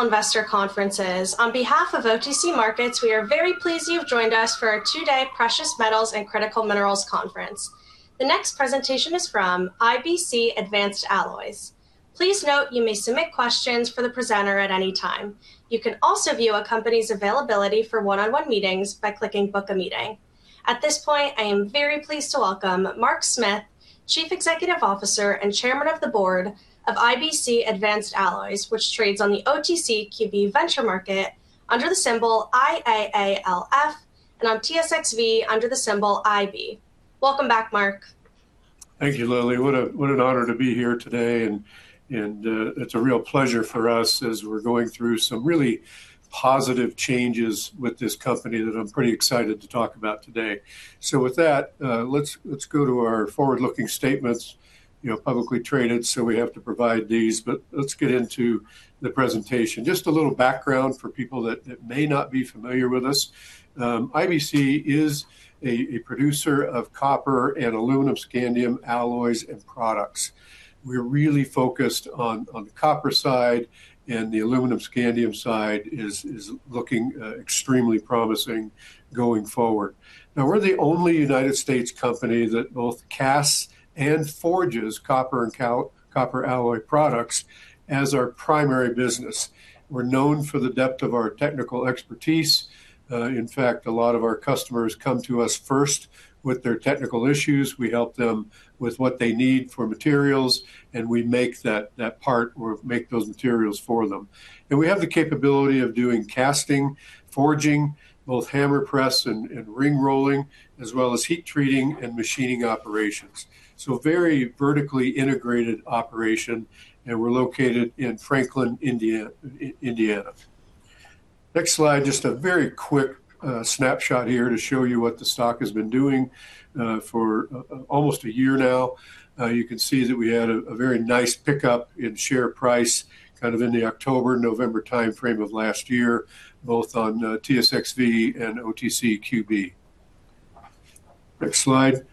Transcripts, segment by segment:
Investor conferences. On behalf of OTC Markets Group, we are very pleased you've joined us for our two-day Precious Metals and Critical Minerals Virtual Investor Conference. The next presentation is from IBC Advanced Alloys. Please note you may submit questions for the presenter at any time. You can also view a company's availability for one-on-one meetings by clicking Book a Meeting. At this point, I am very pleased to welcome Mark Smith, Chief Executive Officer and Chairman of the Board of IBC Advanced Alloys, which trades on the OTCQB Venture market under the symbol IAALF, and on TSXV under the symbol IB. Welcome back, Mark. Thank you, Lily. What an honor to be here today, and it's a real pleasure for us as we're going through some really positive changes with this company that I'm pretty excited to talk about today. With that, let's go to our forward-looking statements. Publicly traded, so we have to provide these, but let's get into the presentation. Just a little background for people that may not be familiar with us. IBC is a producer of copper and aluminum-scandium alloys and products. We're really focused on the copper side, and the aluminum-scandium side is looking extremely promising going forward. We're the only United States company that both casts and forges copper and copper alloy products as our primary business. We're known for the depth of our technical expertise. In fact, a lot of our customers come to us first with their technical issues. We help them with what they need for materials, and we make that part or make those materials for them. We have the capability of doing casting, forging, both hammer press and ring rolling, as well as heat treating and machining operations. Very vertically integrated operation, and we're located in Franklin, Indiana. Next slide, just a very quick snapshot here to show you what the stock has been doing for almost a year now. You can see that we had a very nice pickup in share price, kind of in the October-November timeframe of last year, both on TSXV and OTCQB. Next slide.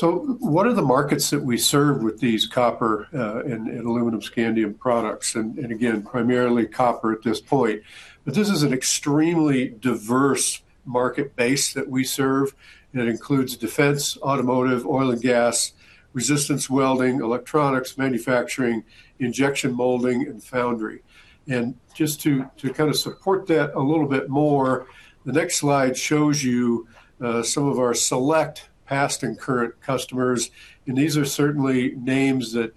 What are the markets that we serve with these copper and aluminum-scandium products? Again, primarily copper at this point. This is an extremely diverse market base that we serve, and it includes defense, automotive, oil and gas, resistance welding, electronics manufacturing, injection molding, and foundry. Just to support that a little bit more, the next slide shows you some of our select past and current customers, and these are certainly names that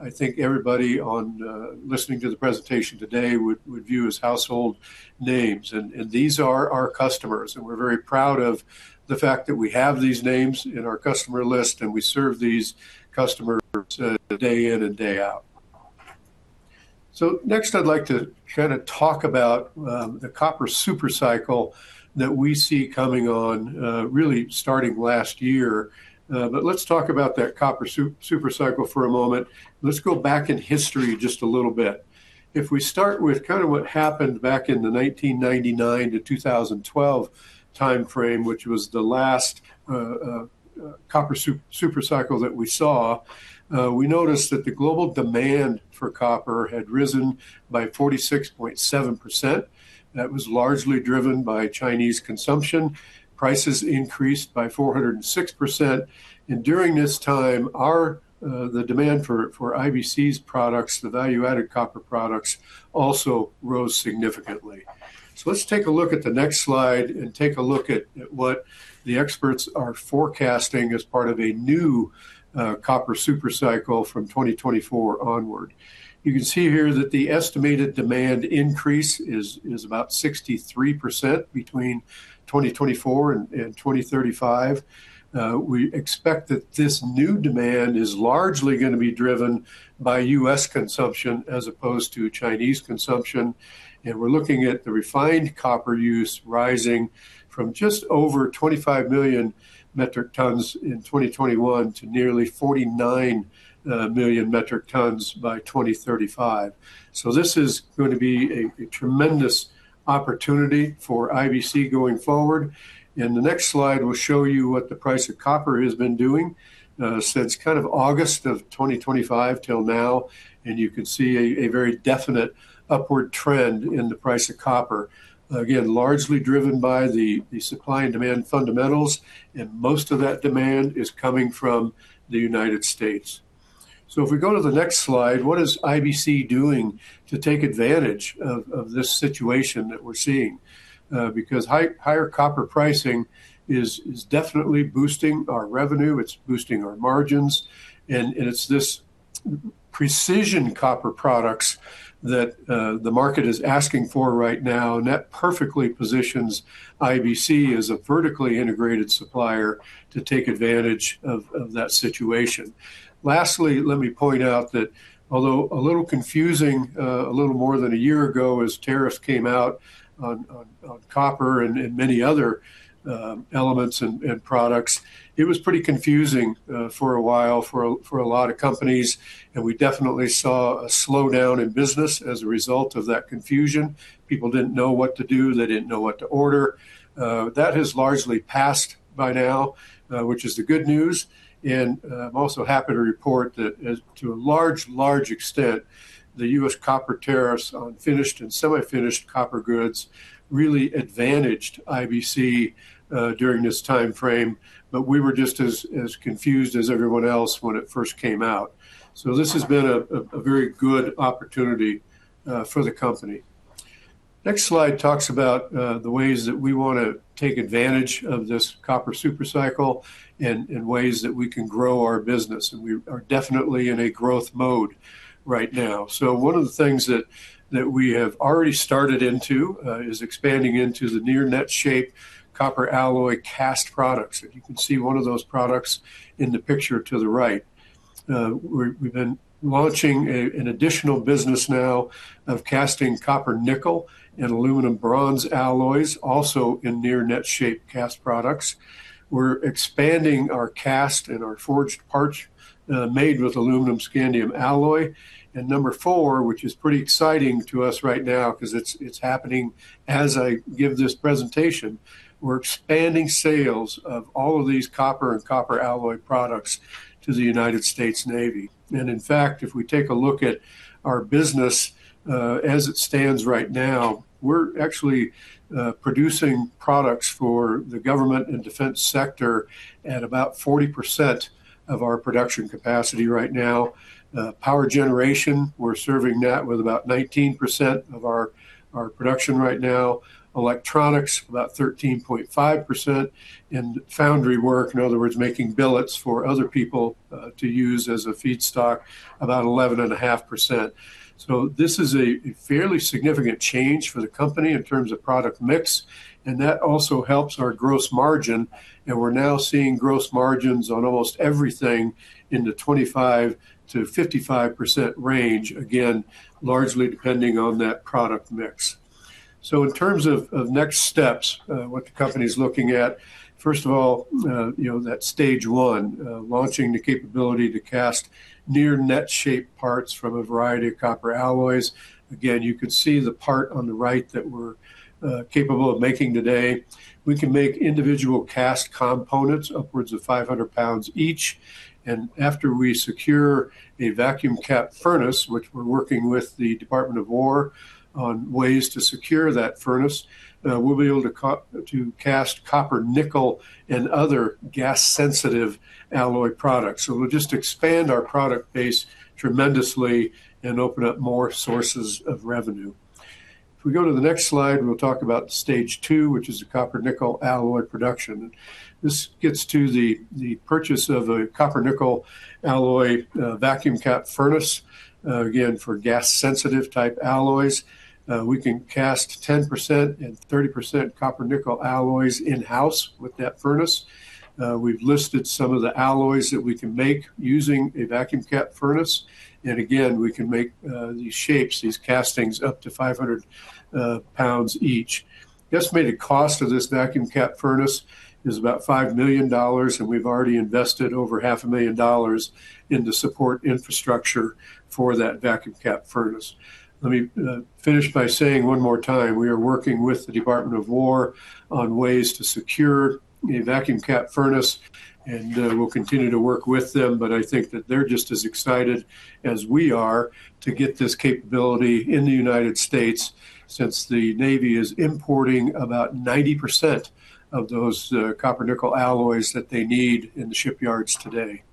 I think everybody listening to the presentation today would view as household names. These are our customers, and we're very proud of the fact that we have these names in our customer list, and we serve these customers day in and day out. Next, I'd like to talk about the copper super cycle that we see coming on really starting last year. Let's talk about that copper super cycle for a moment. Let's go back in history just a little bit. If we start with what happened back in the 1999 to 2012 timeframe, which was the last copper super cycle that we saw, we noticed that the global demand for copper had risen by 46.7%. That was largely driven by Chinese consumption. Prices increased by 406%, and during this time, the demand for IBC's products, the value-added copper products, also rose significantly. Let's take a look at the next slide and take a look at what the experts are forecasting as part of a new copper super cycle from 2024 onward. You can see here that the estimated demand increase is about 63% between 2024 and 2035. We expect that this new demand is largely going to be driven by U.S. consumption as opposed to Chinese consumption. We're looking at the refined copper use rising from just over 25 million metric tons in 2021 to nearly 49 million metric tons by 2035. This is going to be a tremendous opportunity for IBC going forward. The next slide will show you what the price of copper has been doing since August of 2025 till now, and you can see a very definite upward trend in the price of copper. Again, largely driven by the supply and demand fundamentals, and most of that demand is coming from the United States. If we go to the next slide, what is IBC doing to take advantage of this situation that we're seeing? Higher copper pricing is definitely boosting our revenue, it's boosting our margins, and it's this precision copper products that the market is asking for right now, and that perfectly positions IBC as a vertically integrated supplier to take advantage of that situation. Lastly, let me point out that although a little confusing a little more than a year ago as tariffs came out on copper and many other elements and products, it was pretty confusing for a while for a lot of companies, and we definitely saw a slowdown in business as a result of that confusion. People didn't know what to do. They didn't know what to order. That has largely passed by now, which is the good news. I'm also happy to report that to a large extent, the U.S. copper tariffs on finished and semi-finished copper goods really advantaged IBC during this timeframe. We were just as confused as everyone else when it first came out. This has been a very good opportunity for the company. Next slide talks about the ways that we want to take advantage of this copper super cycle and ways that we can grow our business, and we are definitely in a growth mode right now. One of the things that we have already started into is expanding into the near net shape copper alloy cast products. You can see one of those products in the picture to the right. We've been launching an additional business now of casting copper nickel and aluminum bronze alloys, also in near net shape cast products. We're expanding our cast and our forged parts made with aluminum-scandium alloy. Number four, which is pretty exciting to us right now because it's happening as I give this presentation, we're expanding sales of all of these copper and copper alloy products to the United States Navy. In fact, if we take a look at our business as it stands right now, we're actually producing products for the government and defense sector at about 40% of our production capacity right now. Power generation. We're serving that with about 19% of our production right now. Electronics. About 13.5%. In foundry work, in other words, making billets for other people to use as a feedstock, about 11.5%. This is a fairly significant change for the company in terms of product mix, and that also helps our gross margin, and we're now seeing gross margins on almost everything in the 25%-55% range, again, largely depending on that product mix. In terms of next steps, what the company's looking at, first of all, that stage one, launching the capability to cast near net shape parts from a variety of copper alloys. Again, you can see the part on the right that we're capable of making today. We can make individual cast components upwards of 500 lbs each. After we secure a vacuum cap furnace, which we're working with the Department of War on ways to secure that furnace, we'll be able to cast copper nickel and other gas sensitive alloy products. We'll just expand our product base tremendously and open up more sources of revenue. If we go to the next slide, we'll talk about stage two, which is a copper nickel alloy production. This gets to the purchase of a copper nickel alloy vacuum cap furnace. Again, for gas sensitive type alloys. We can cast 10% and 30% copper nickel alloys in-house with that furnace. We've listed some of the alloys that we can make using a vacuum cap furnace. Again, we can make these shapes, these castings up to 500 lbs each. Estimated cost of this vacuum cap furnace is about 5 million dollars, and we've already invested over CAD 500,000 in the support infrastructure for that vacuum cap furnace. Let me finish by saying one more time, we are working with the Department of War on ways to secure a vacuum cap furnace, and we'll continue to work with them. I think that they're just as excited as we are to get this capability in the United States, since the U.S. Navy is importing about 90% of those copper nickel alloys that they need in the shipyards today.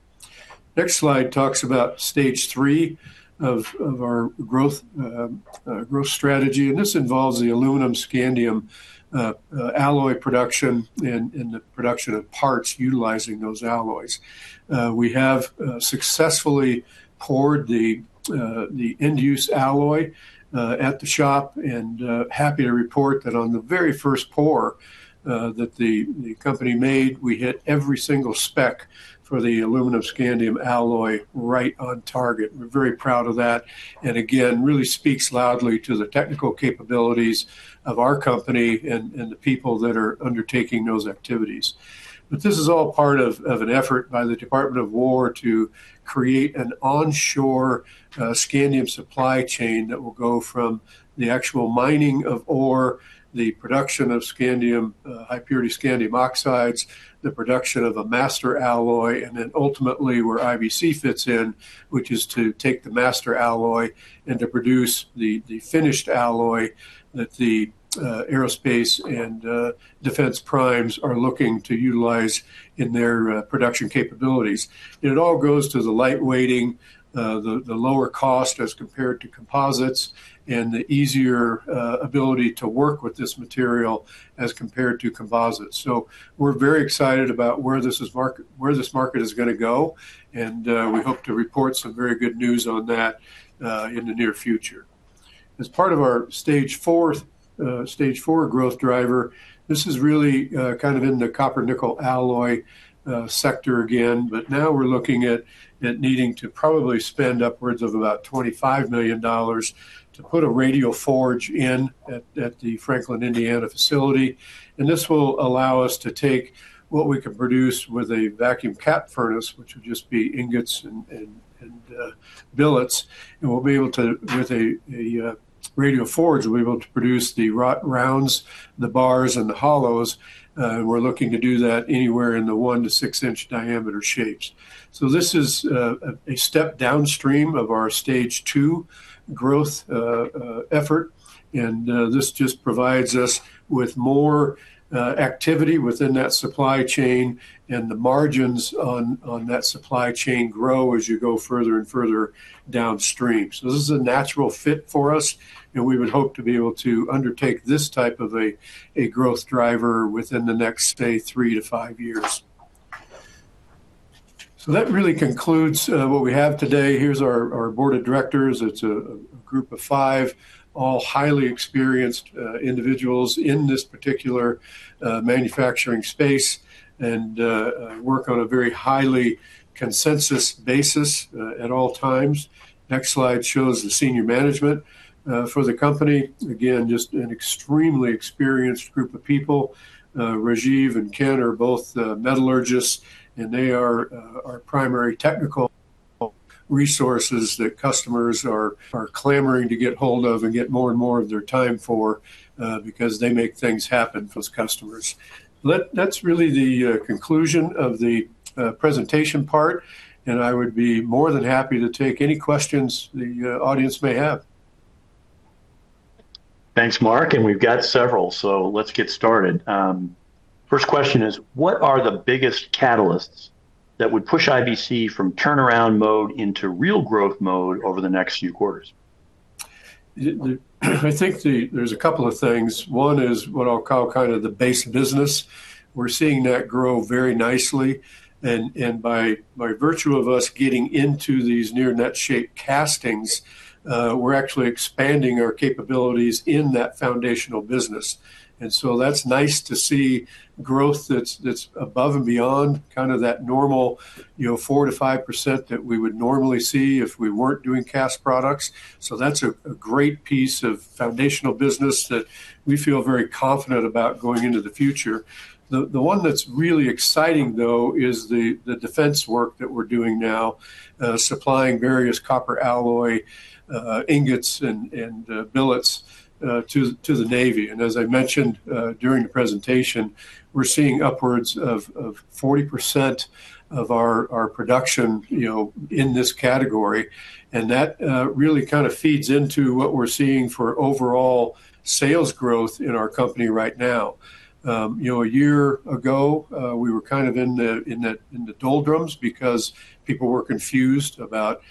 Next slide talks about stage three of our growth strategy. This involves the aluminum scandium alloy production and the production of parts utilizing those alloys. We have successfully poured the end use alloy at the shop. Happy to report that on the very first pour that the company made, we hit every single spec for the aluminum scandium alloy right on target. We're very proud of that. Again, really speaks loudly to the technical capabilities of our company and the people that are undertaking those activities. This is all part of an effort by the Department of War to create an onshore scandium supply chain that will go from the actual mining of ore, the production of high purity scandium oxide, the production of a master alloy, and then ultimately where IBC fits in, which is to take the master alloy and to produce the finished alloy that the aerospace and defense primes are looking to utilize in their production capabilities. It all goes to the light weighting, the lower cost as compared to composites, and the easier ability to work with this material as compared to composites. We're very excited about where this market is going to go, and we hope to report some very good news on that in the near future. As part of our stage four growth driver, this is really kind of in the copper nickel alloy sector again. Now we're looking at needing to probably spend upwards of about 25 million dollars to put a radial forge in at the Franklin, Indiana facility. This will allow us to take what we can produce with a vacuum cap furnace, which would just be ingots and billets, and with a radial forge, we'll be able to produce the rounds, the bars, and the hollows. We're looking to do that anywhere in the 1 in-6 in diameter shapes. This is a step downstream of our stage two growth effort, and this just provides us with more activity within that supply chain, and the margins on that supply chain grow as you go further and further downstream. This is a natural fit for us, and we would hope to be able to undertake this type of a growth driver within the next, say, three to five years. That really concludes what we have today. Here's our board of directors. It's a group of five, all highly experienced individuals in this particular manufacturing space and work on a very highly consensus basis at all times. Next slide shows the senior management for the company. Again, just an extremely experienced group of people. Rajeev and Ken are both metallurgists, and they are our primary technical resources that customers are clamoring to get hold of and get more and more of their time for because they make things happen for those customers. That's really the conclusion of the presentation part, and I would be more than happy to take any questions the audience may have. Thanks, Mark. We've got several. Let's get started. First question is, what are the biggest catalysts that would push IBC from turnaround mode into real growth mode over the next few quarters? I think there's a couple of things. One is what I'll call the base business. We're seeing that grow very nicely, and by virtue of us getting into these near net shape castings, we're actually expanding our capabilities in that foundational business. That's nice to see growth that's above and beyond that normal 4%-5% that we would normally see if we weren't doing cast products. That's a great piece of foundational business that we feel very confident about going into the future. The one that's really exciting, though, is the defense work that we're doing now, supplying various copper alloy ingots and billets to the Navy. As I mentioned during the presentation, we're seeing upwards of 40% of our production in this category, and that really feeds into what we're seeing for overall sales growth in our company right now. A year ago, we were in the doldrums because people were confused about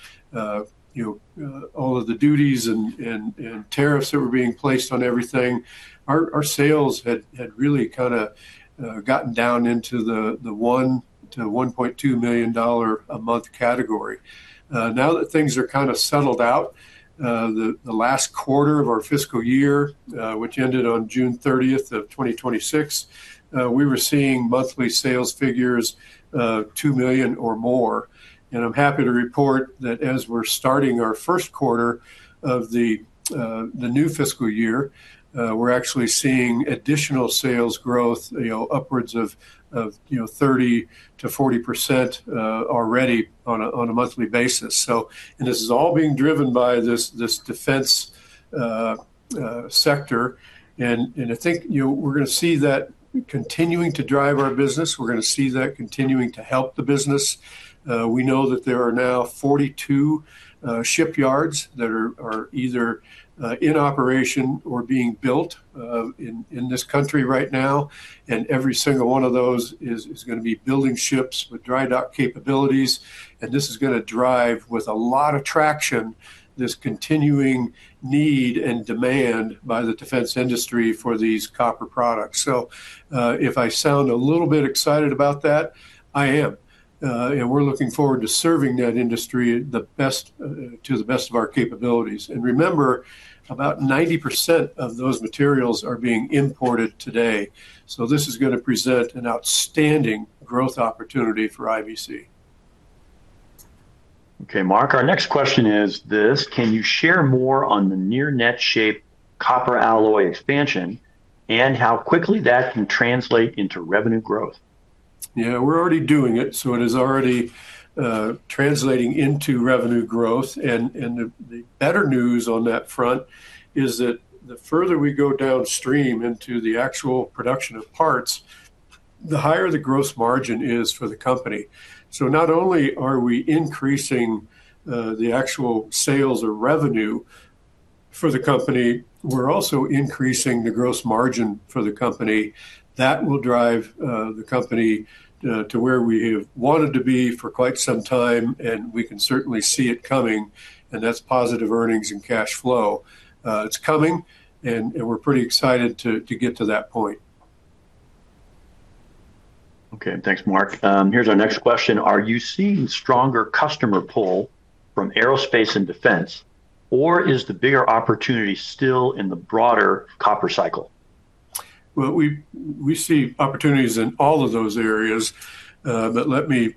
all of the duties and tariffs that were being placed on everything. Our sales had really kind of gotten down into the 1 million-1.2 million dollar a month category. Now that things are kind of settled out, the last quarter of our fiscal year, which ended on June 30th of 2026, we were seeing monthly sales figures of 2 million or more. I'm happy to report that as we're starting our first quarter of the new fiscal year, we're actually seeing additional sales growth upwards of 30%-40% already on a monthly basis. This is all being driven by this defense sector. I think we're going to see that continuing to drive our business, we're going to see that continuing to help the business. We know that there are now 42 shipyards that are either in operation or being built in this country right now, and every single one of those is going to be building ships with dry dock capabilities. This is going to drive, with a lot of traction, this continuing need and demand by the defense industry for these copper products. If I sound a little bit excited about that, I am. We're looking forward to serving that industry to the best of our capabilities. Remember, about 90% of those materials are being imported today, so this is going to present an outstanding growth opportunity for IBC. Okay, Mark, our next question is this: Can you share more on the near net shape copper alloy expansion and how quickly that can translate into revenue growth? Yeah, we're already doing it is already translating into revenue growth. The better news on that front is that the further we go downstream into the actual production of parts, the higher the gross margin is for the company. Not only are we increasing the actual sales or revenue for the company, we're also increasing the gross margin for the company. That will drive the company to where we have wanted to be for quite some time, and we can certainly see it coming, and that's positive earnings and cash flow. It's coming, and we're pretty excited to get to that point. Okay, thanks, Mark. Here's our next question. Are you seeing stronger customer pull from aerospace and defense, or is the bigger opportunity still in the broader copper cycle? Well, we see opportunities in all of those areas, let me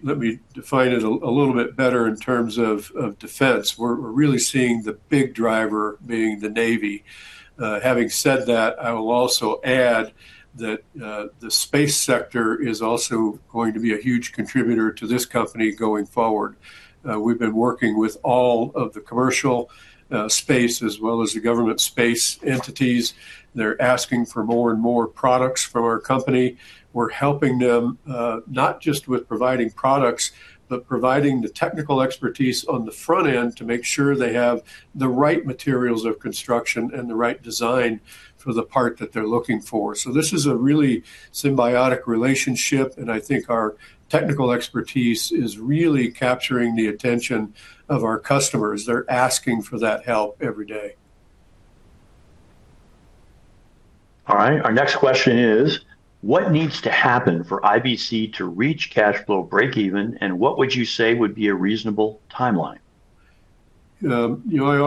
define it a little bit better in terms of defense. We're really seeing the big driver being the Navy. Having said that, I will also add that the space sector is also going to be a huge contributor to this company going forward. We've been working with all of the commercial space as well as the government space entities. They're asking for more and more products from our company. We're helping them not just with providing products, but providing the technical expertise on the front end to make sure they have the right materials of construction and the right design for the part that they're looking for. This is a really symbiotic relationship, and I think our technical expertise is really capturing the attention of our customers. They're asking for that help every day. All right. Our next question is: what needs to happen for IBC to reach cash flow breakeven, what would you say would be a reasonable timeline? I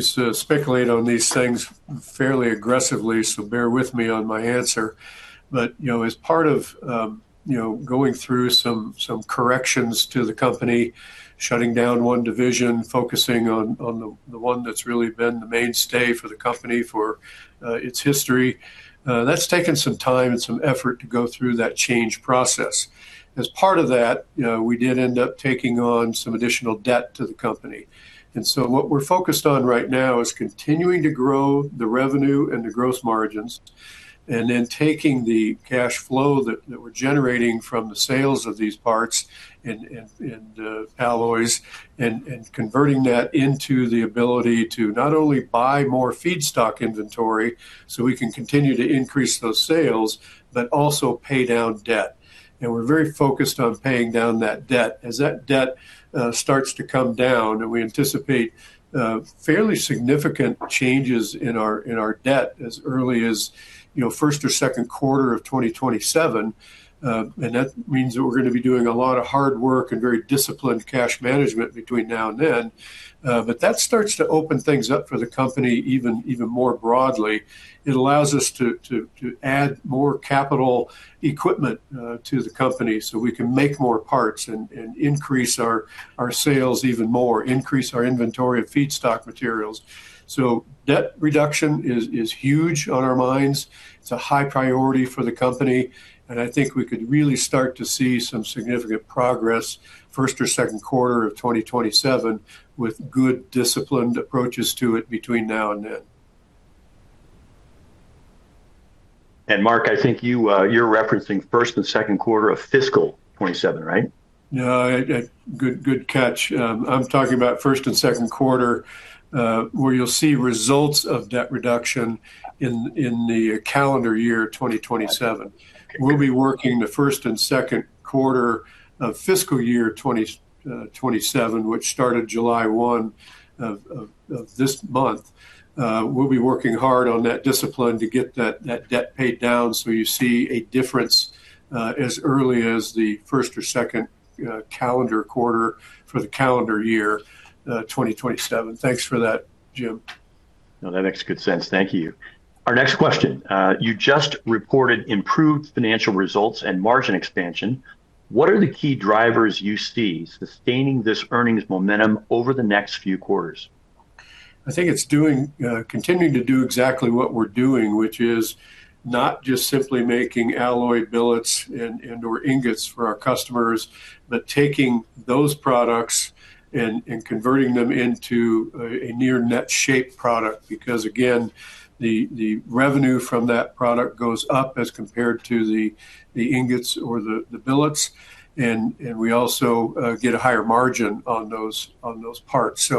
always speculate on these things fairly aggressively, so bear with me on my answer. As part of going through some corrections to the company, shutting down one division, focusing on the one that's really been the mainstay for the company for its history, that's taken some time and some effort to go through that change process. As part of that, we did end up taking on some additional debt to the company. What we're focused on right now is continuing to grow the revenue and the gross margins, then taking the cash flow that we're generating from the sales of these parts and alloys and converting that into the ability to not only buy more feedstock inventory so we can continue to increase those sales, but also pay down debt. We're very focused on paying down that debt. As that debt starts to come down, we anticipate fairly significant changes in our debt as early as first or second quarter of 2027. That means that we're going to be doing a lot of hard work and very disciplined cash management between now and then. That starts to open things up for the company even more broadly. It allows us to add more capital equipment to the company so we can make more parts and increase our sales even more, increase our inventory of feedstock materials. Debt reduction is huge on our minds. It's a high priority for the company, and I think we could really start to see some significant progress first or second quarter of 2027 with good disciplined approaches to it between now and then. Mark, I think you're referencing first and second quarter of fiscal 2027, right? Yeah. Good catch. I'm talking about first and second quarter, where you'll see results of debt reduction in the calendar year 2027. Okay. We'll be working the first and second quarter of fiscal year 2027, which started July 1 of this month. We'll be working hard on that discipline to get that debt paid down so you see a difference, as early as the first or second calendar quarter for the calendar year 2027. Thanks for that, Jim. No, that makes good sense. Thank you. Our next question. You just reported improved financial results and margin expansion. What are the key drivers you see sustaining this earnings momentum over the next few quarters? I think it's continuing to do exactly what we're doing, which is not just simply making alloy billets and/or ingots for our customers, but taking those products and converting them into a near net shape product. Again, the revenue from that product goes up as compared to the ingots or the billets. We also get a higher margin on those parts.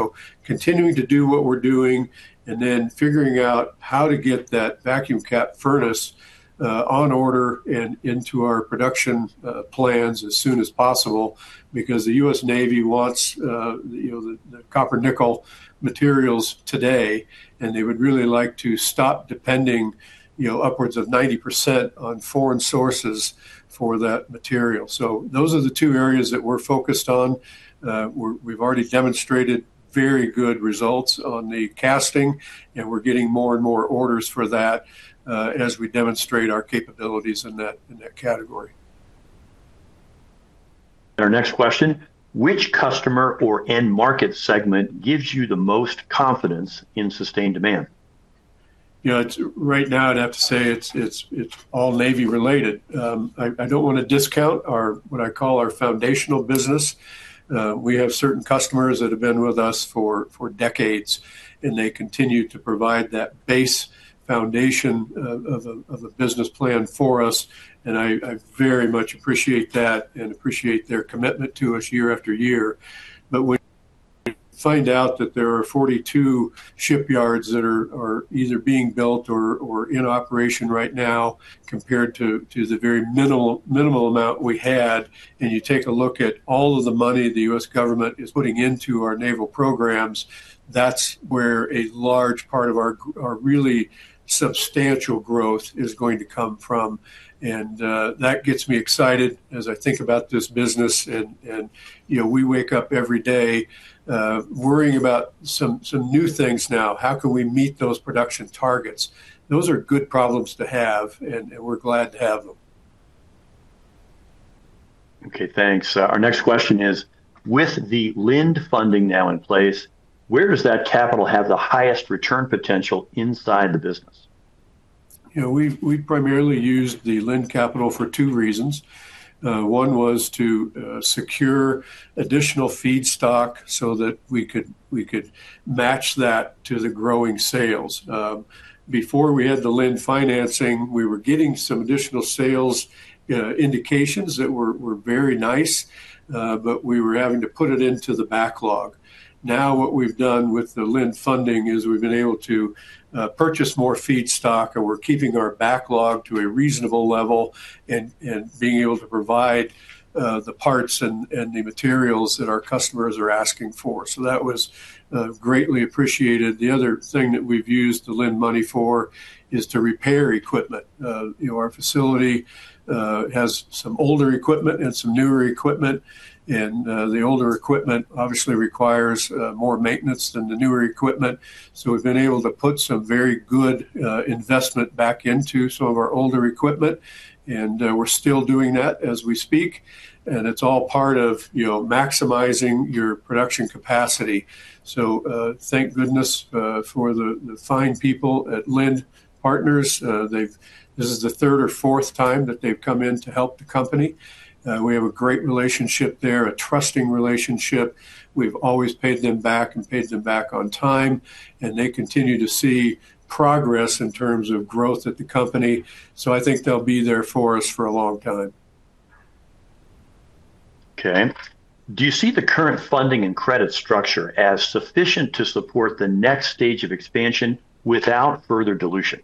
Continuing to do what we're doing and then figuring out how to get that vacuum cap furnace on order and into our production plans as soon as possible. The U.S. Navy wants the copper nickel materials today, and they would really like to stop depending upwards of 90% on foreign sources for that material. Those are the two areas that we're focused on. We've already demonstrated very good results on the casting, we're getting more and more orders for that, as we demonstrate our capabilities in that category. Our next question, which customer or end market segment gives you the most confidence in sustained demand? Right now, I'd have to say it's all Navy related. I don't want to discount our, what I call our foundational business. We have certain customers that have been with us for decades, and they continue to provide that base foundation of a business plan for us. I very much appreciate that and appreciate their commitment to us year after year. When find out that there are 42 shipyards that are either being built or are in operation right now, compared to the very minimal amount we had, and you take a look at all of the money the U.S. government is putting into our naval programs, that's where a large part of our really substantial growth is going to come from. That gets me excited as I think about this business and we wake up every day worrying about some new things now. How can we meet those production targets? Those are good problems to have, and we're glad to have them. Okay, thanks. Our next question is: with The Lind Partners funding now in place, where does that capital have the highest return potential inside the business? We primarily used the Lind capital for two reasons. One was to secure additional feedstock so that we could match that to the growing sales. Before we had the Lind financing, we were getting some additional sales indications that were very nice, but we were having to put it into the backlog. Now what we've done with the Lind funding is we've been able to purchase more feedstock, and we're keeping our backlog to a reasonable level and being able to provide the parts and the materials that our customers are asking for. That was greatly appreciated. The other thing that we've used the Lind money for is to repair equipment. Our facility has some older equipment and some newer equipment, and the older equipment obviously requires more maintenance than the newer equipment. We've been able to put some very good investment back into some of our older equipment, and we're still doing that as we speak. It's all part of maximizing your production capacity. Thank goodness for the fine people at The Lind Partners. This is the third or fourth time that they've come in to help the company. We have a great relationship there, a trusting relationship. We've always paid them back, and paid them back on time, and they continue to see progress in terms of growth at the company. I think they'll be there for us for a long time. Okay. Do you see the current funding and credit structure as sufficient to support the next stage of expansion without further dilution?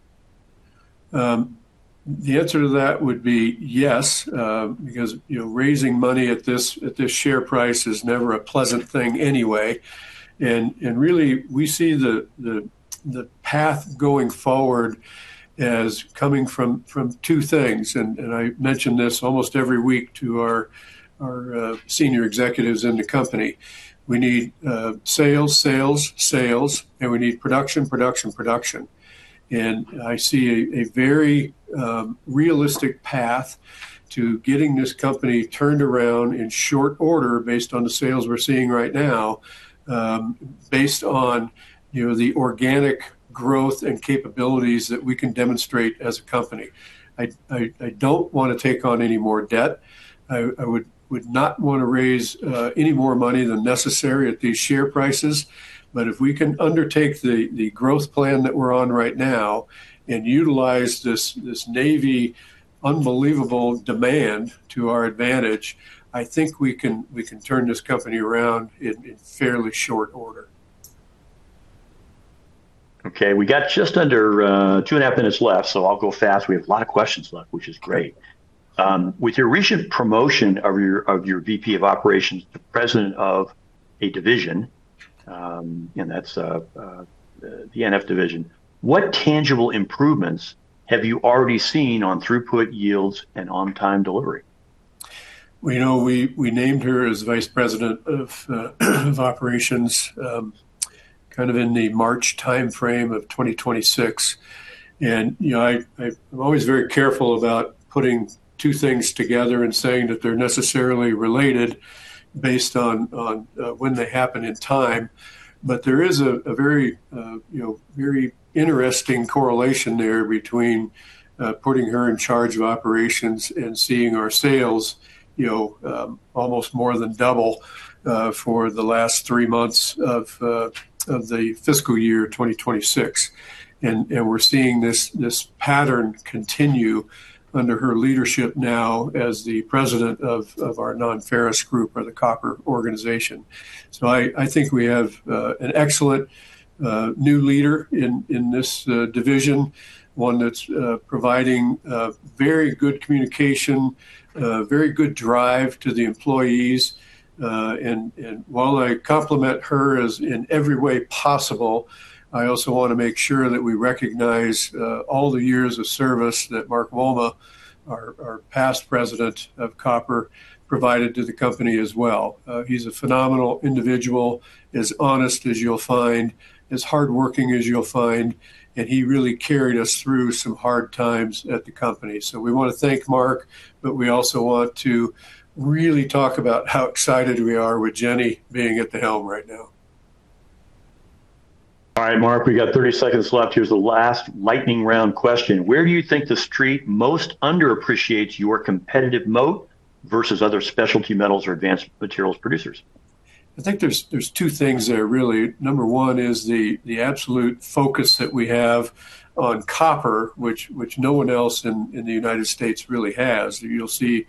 The answer to that would be yes, because raising money at this share price is never a pleasant thing anyway. Really, we see the path going forward as coming from two things, and I mention this almost every week to our senior executives in the company. We need sales, sales, and we need production, production. I see a very realistic path to getting this company turned around in short order based on the sales we're seeing right now, based on the organic growth and capabilities that we can demonstrate as a company. I don't want to take on any more debt. I would not want to raise any more money than necessary at these share prices. If we can undertake the growth plan that we're on right now and utilize this Navy unbelievable demand to our advantage, I think we can turn this company around in fairly short order. Okay, we got just under two and a half minutes left, I'll go fast. We have a lot of questions left, which is great. With your recent promotion of your VP of Operations to President of a division, and that's the NF division, what tangible improvements have you already seen on throughput yields and on-time delivery? We named her as Vice President of Operations kind of in the March timeframe of 2026. I'm always very careful about putting two things together and saying that they're necessarily related based on when they happen in time. There is a very interesting correlation there between putting her in charge of operations and seeing our sales almost more than double, for the last three months of the fiscal year 2026. We're seeing this pattern continue under her leadership now as the President of our Non-ferrous group, or the Copper organization. I think we have an excellent new leader in this division, one that's providing very good communication, very good drive to the employees. While I compliment her as in every way possible, I also want to make sure that we recognize all the years of service that Mark Wolma, our past president of Copper, provided to the company as well. He's a phenomenal individual, as honest as you'll find, as hardworking as you'll find, and he really carried us through some hard times at the company. We want to thank Mark, but we also want to really talk about how excited we are with Jenny being at the helm right now. All right, Mark, we got 30 seconds left. Here's the last lightning round question. Where do you think the Street most underappreciates your competitive moat versus other specialty metals or advanced materials producers? I think there's two things there really. Number one is the absolute focus that we have on copper, which no one else in the United States really has. You'll see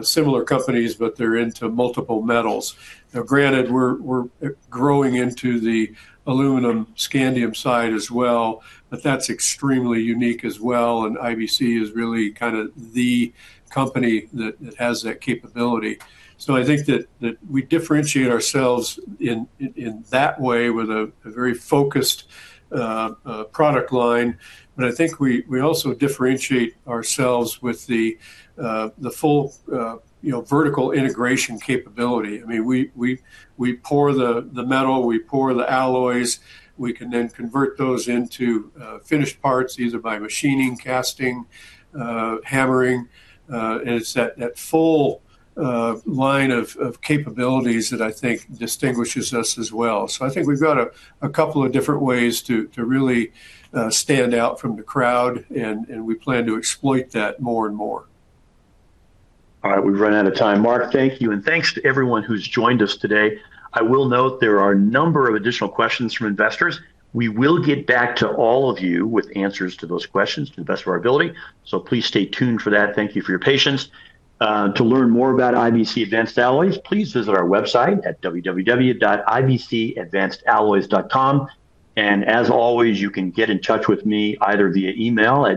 similar companies, but they're into multiple metals. Now granted, we're growing into the aluminum scandium side as well, but that's extremely unique as well, and IBC is really kind of the company that has that capability. I think that we differentiate ourselves in that way with a very focused product line. I think we also differentiate ourselves with the full vertical integration capability. We pour the metal, we pour the alloys, we can then convert those into finished parts, either by machining, casting, hammering. It's that full line of capabilities that I think distinguishes us as well. I think we've got a couple of different ways to really stand out from the crowd, and we plan to exploit that more and more. All right. We've run out of time. Mark, thank you, and thanks to everyone who's joined us today. I will note there are a number of additional questions from investors. We will get back to all of you with answers to those questions to the best of our ability. Please stay tuned for that. Thank you for your patience. To learn more about IBC Advanced Alloys, please visit our website at www.ibcadvancedalloys.com. As always, you can get in touch with me either via email at